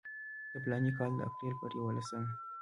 د فلاني کال د اپریل پر یوولسمه.